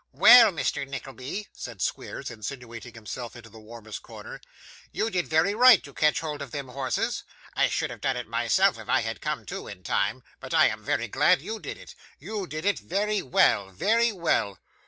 'Well, Mr. Nickleby,' said Squeers, insinuating himself into the warmest corner, 'you did very right to catch hold of them horses. I should have done it myself if I had come to in time, but I am very glad you did it. You did it very well; very well.